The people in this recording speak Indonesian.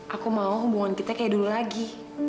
aku mau hubungan kita kayak dulu lagi